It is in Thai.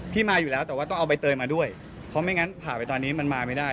มาอยู่แล้วแต่ว่าต้องเอาใบเตยมาด้วยเพราะไม่งั้นผ่าไปตอนนี้มันมาไม่ได้